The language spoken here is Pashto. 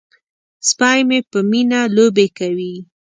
سپی مې په مینه لوبې کوي.